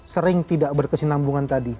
sering tidak berkesinambungan tadi